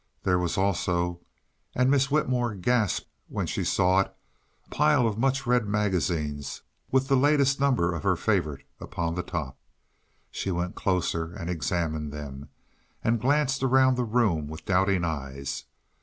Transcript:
There was also and Miss Whitmore gasped when she saw it a pile of much read magazines with the latest number of her favorite upon the top. She went closer and examined them, and glanced around the room with doubting eyes.